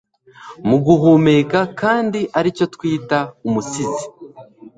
Muguhumeka kandi aricyo twita umusizi